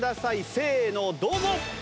せーのどうぞ！